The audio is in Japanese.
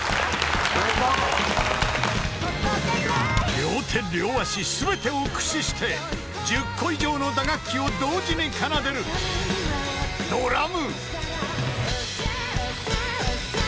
［両手両足全てを駆使して１０個以上の打楽器を同時に奏でるドラム］